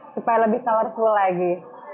supaya lebih colorful lagi